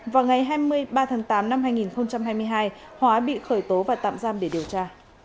vào ngày hai mươi ba tháng tám năm hai nghìn hai mươi hai hóa bị khởi tố và tạm giam để điều tra